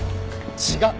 違う。